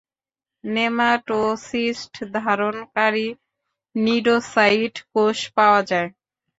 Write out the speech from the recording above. Nematocyst ধারণকারী cnidocyte কোষ পাওয়া যায়।